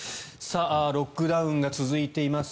ロックダウンが続いています